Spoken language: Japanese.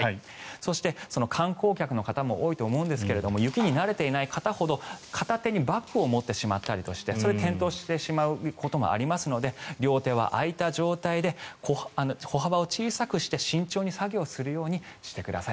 そして、観光客の方も多いと思うんですが雪に慣れていない方ほど片手にバッグを持っていたりしてそれで転倒してしまうこともありますので両手は空いた状態で歩幅を小さくして慎重に作業するようにしてください。